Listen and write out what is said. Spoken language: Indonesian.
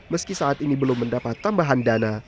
meski saat ini belum mendapat tambahan dana